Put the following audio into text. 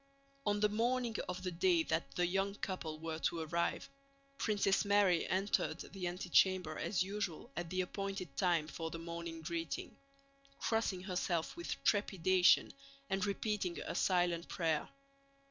On the morning of the day that the young couple were to arrive, Princess Mary entered the antechamber as usual at the time appointed for the morning greeting, crossing herself with trepidation and repeating a silent prayer.